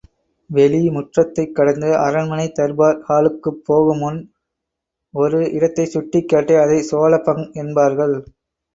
வெளி முற்றத்தைக் கடந்து அரண்மனை தர்பார் ஹாலுக்குப் போகுமுன், ஒரு இடத்தைச் சுட்டிக் காட்டி அதைச் சோழபங்க் என்பார்கள்.